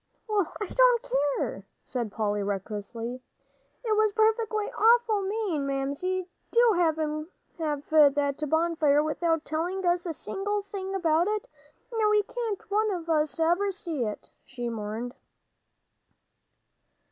"Well, I don't care," said Polly, recklessly, "it was perfectly awfully mean, Mamsie, to go and have that bonfire without telling us a single thing about it. Now we can't one of us ever see it," she mourned.